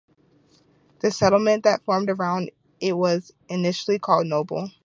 The settlement that formed around it was initially called Noble.